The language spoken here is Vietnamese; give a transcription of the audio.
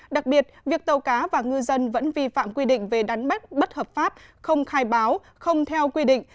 đặc biệt việc tàu cá và ngư dân vẫn vi phạm quy định về đánh bắt bất hợp pháp không khai báo không theo quy định